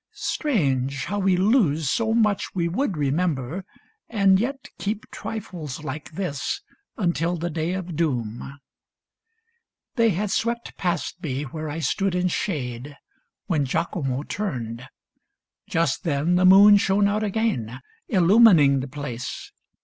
Strange, how we lose So much we would remember, and yet keep Trifles like this until the day of doom ! They had swept past me where I stood in shade When Giacomo turned. Just then the moon Shone out again, illumining the place.